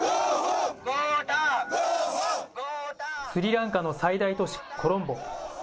スリランカの最大都市コロンボ。